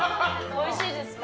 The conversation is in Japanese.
おいしいですか？